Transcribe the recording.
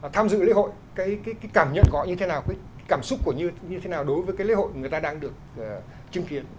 tham dự lễ hội cảm nhận gọi như thế nào cảm xúc của như thế nào đối với lễ hội người ta đang được chứng kiến